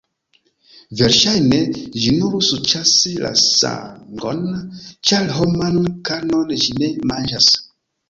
Verŝajne ĝi nur suĉas la sangon, ĉar homan karnon ĝi ne manĝas.